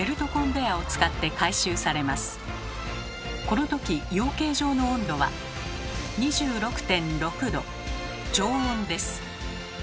このとき養鶏場の温度は２６．６℃常温です。